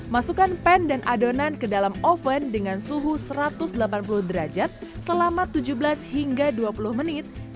masukkan pan dan adonan ke dalam oven dengan suhu satu ratus delapan puluh derajat selama tujuh belas hingga dua puluh menit